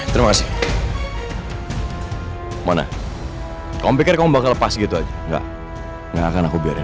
terima kasih mana kau pikir kau bakal lepas gitu aja nggak akan aku biarin